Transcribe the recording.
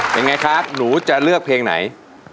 ยังไงคะหนูจะเลือกเพลงไหน